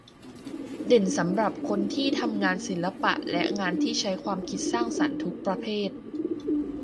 เด่นสำหรับคนที่ทำงานศิลปะและงานที่ใช้ความคิดสร้างสรรค์ทุกประเภท